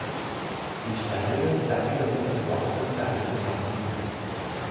Die Steine zeigen mit der flachen Seite nach innen.